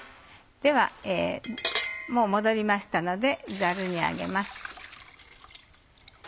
では戻りましたのでザルにあげます。